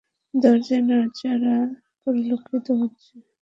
দরজায় নড়াচড়া পরিলক্ষিত হচ্ছে।